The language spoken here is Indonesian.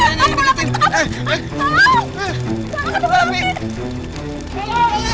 mas apaan tuh